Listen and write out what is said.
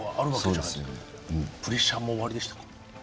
プレッシャーもおありでしたか？